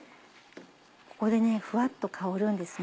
ここでふわっと香るんですね